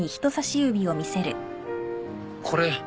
これ